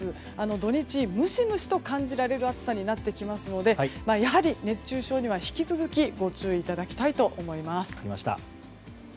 土日ムシムシと感じられる暑さになってきますのでやはり熱中症には引き続きご注意いただきたいと思います。